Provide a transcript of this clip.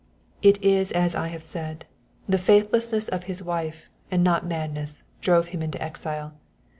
"It is as I have said. The faithlessness of his wife, and not madness, drove him into exile.